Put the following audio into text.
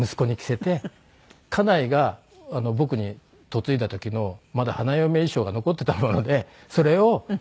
家内が僕に嫁いだ時のまだ花嫁衣装が残っていたものでそれを。